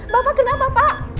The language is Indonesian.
bapak kenapa pak